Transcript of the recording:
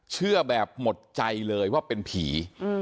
เชื่อแบบหมดใจเลยว่าเป็นผี